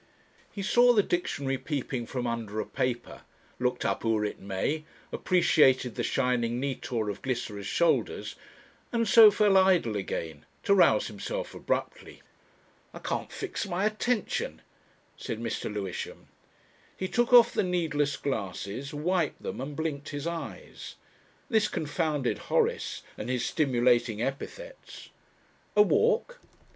He saw the dictionary peeping from under a paper, looked up "Urit me," appreciated the shining "nitor" of Glycera's shoulders, and so fell idle again to rouse himself abruptly. "I can't fix my attention," said Mr. Lewisham. He took off the needless glasses, wiped them, and blinked his eyes. This confounded Horace and his stimulating epithets! A walk?